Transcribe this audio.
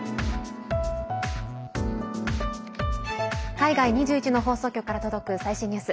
海外２１の放送局から届く最新ニュース。